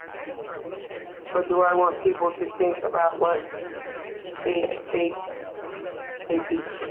But I do want people to think about what they see.